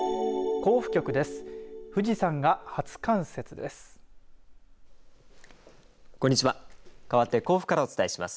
甲府局です。